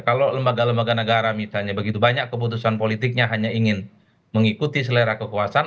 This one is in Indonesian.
kalau lembaga lembaga negara misalnya begitu banyak keputusan politiknya hanya ingin mengikuti selera kekuasaan